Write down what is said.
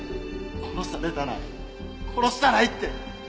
殺されたない殺したないって！